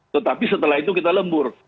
tetapi setelah itu kita lembur